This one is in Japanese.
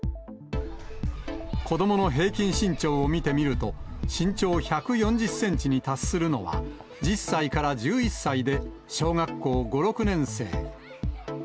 子どもの平均身長を見てみると、身長１４０センチに達するのは、１０歳から１１歳で、小学校５、６年生。